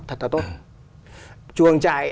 thật là tốt chuồng chạy